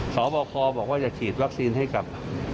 สอบคอบอกว่าจะฉีดวัคซีนให้กับ